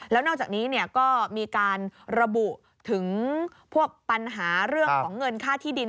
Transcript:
แล้วนอกจากนี้ก็มีการระบุถึงพวกปัญหาเรื่องของเงินค่าที่ดิน